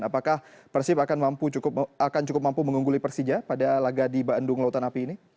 apakah persib akan cukup mampu mengungguli persija pada laga di bandung lautan api ini